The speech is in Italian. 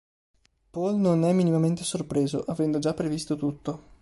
Paul non ne è minimamente sorpreso, avendo già previsto tutto.